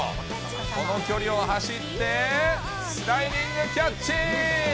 この距離を走って、スライディングキャッチ。